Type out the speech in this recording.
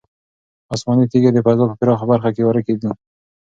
آسماني تیږې د فضا په پراخه برخه کې ورکې دي.